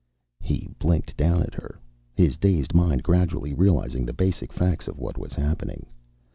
He blinked down at her, his dazed mind gradually realizing the basic facts of what was happening.